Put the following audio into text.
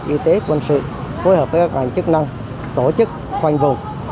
y tế quân sự phối hợp với các ngành chức năng tổ chức khoanh vùng